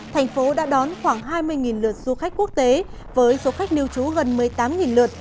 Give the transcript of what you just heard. thành phố đã đón khoảng hai mươi lượt du khách quốc tế với số khách nêu trú gần một mươi tám lượt